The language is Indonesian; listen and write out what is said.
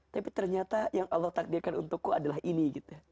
tapi ternyata yang allah takdirkan untukku adalah ini gitu